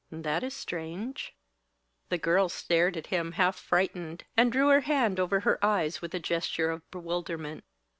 That is strange." The girl stared at him half frightened, and drew her hand over her eyes with a gesture of bewilderment.